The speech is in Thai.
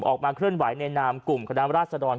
ออกมาเคลื่อนไหวในนามกลุ่มคณะราชดร